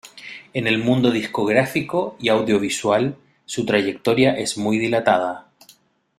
En el mundo discográfico y audiovisual, su trayectoria es muy dilatada.